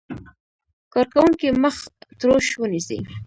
کارکوونکی مخ تروش ونیسي.